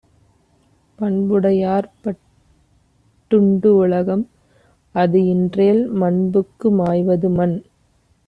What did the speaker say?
பண்புடையார்ப் பட்டுண்டு உலகம்; அது இன்றேல் மண்புக்கு மாய்வது மன்.